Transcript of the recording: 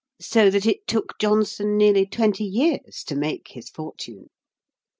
So that it took Johnson nearly twenty years to make his fortune.